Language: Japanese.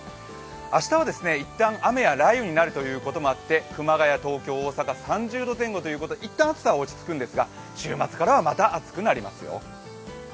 明日は一旦、雨や雷雨になるということもあって、熊谷、東京、大阪、３０度前後ということで一旦暑さは落ち着くんですが、週末からはまた暑くなりますよ。